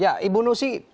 ya ibu nusi